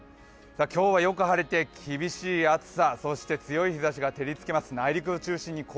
今日はよく晴れて厳しい暑さ、そして強い日ざしが照りつけます。